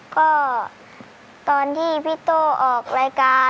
ก็ตอนที่พี่โต้ออกรายการ